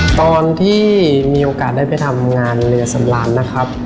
ตอนที่มีโอกาสได้ไปทำงานเรือสำราญนะครับ